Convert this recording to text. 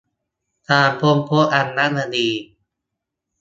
การค้นพบอัญมณี